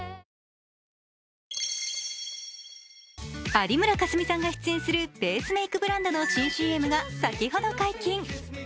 有村架純さんが出演るベースメークブランドの新ＣＭが先ほど解禁。